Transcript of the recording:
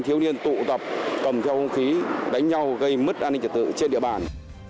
thiếu niên tụ tập cầm theo hông khí đánh nhau gây mất an ninh trật tự trên địa bàn